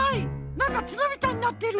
なんかつのみたいになってる！